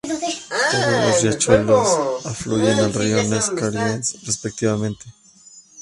Todos los riachuelos afluyen al Río Neckar o al Enz, respectivamente.